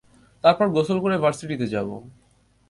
তারপর গোসল করে ভার্সিটিতে যাব।